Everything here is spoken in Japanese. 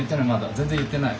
全然言ってない。